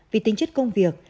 vì tính chất công việc